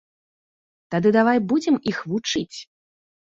Тады давай будзем іх вучыць!